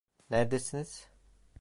Neredesiniz?